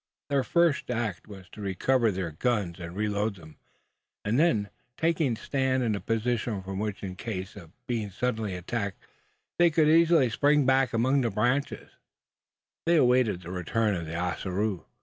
Their first act was to recover their guns, and reload them; and then, taking stand in a position from which, in case of being suddenly attacked, they could easily spring back among the branches, they awaited the return of Ossaroo.